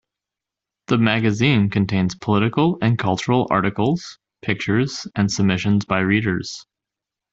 The magazine contains political and cultural articles, pictures, and submissions by readers.